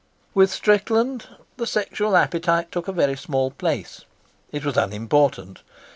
With Strickland the sexual appetite took a very small place. It was unimportant.